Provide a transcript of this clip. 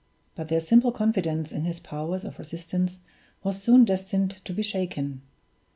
But their simple confidence in his powers of resistance was soon destined to be shaken.